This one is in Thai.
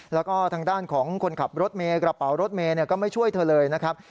แล้วก็ทางด้านของคนขับรถเมย์กระเป๋ารถเมย์ก็ไม่ช่วยเธอเลยนะครับ